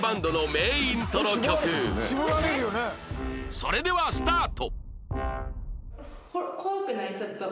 それではスタート